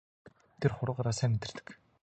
Тэр хуруугаараа сайн мэдэрдэг.